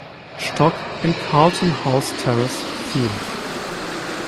Stock in Carlton House Terrace fiel.